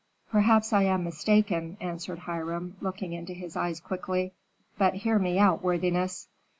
"Perhaps I am mistaken," answered Hiram, looking into his eyes quickly. "But hear me out, worthiness."